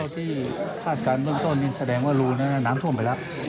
ครับพี่ภาษาการเรื่องต้นนี่แสดงว่ารู้นะน้ำท่วมไปแล้ว